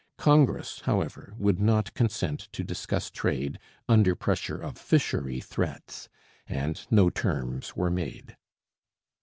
Congress, however, would not consent to discuss trade under pressure of fishery threats, and no terms were made.